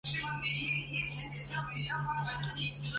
我说没拿就没拿啊